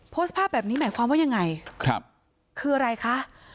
โพสต์ภาพแบบนี้หมายความว่ายังไงครับคืออะไรคะ